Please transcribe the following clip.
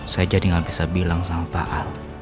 saya jadi gak bisa bilang sama faal